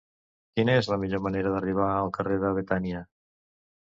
Quina és la millor manera d'arribar al carrer de Betània?